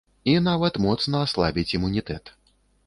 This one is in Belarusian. І нават моцна аслабіць імунітэт.